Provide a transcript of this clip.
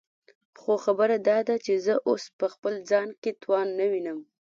خو خبره داده چې زه اوس په خپل ځان کې توان نه وينم.